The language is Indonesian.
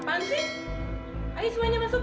pan sih ayo semuanya masuk